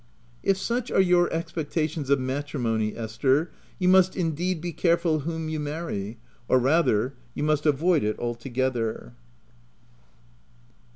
"If such are your expectations of matrimony, Esther, you must indeed, be careful whom you marry — or rather, you must avoid it altogether.